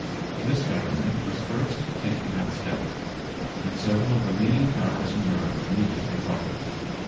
This Government was first in taking that step, and several of the leading powers of Europe immediately followed.